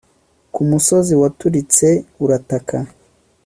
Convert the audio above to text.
kumusozi waturitse urataka